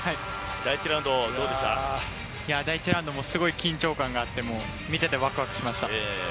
第１ラウンドすごい緊張感があって見ててワクワクしました。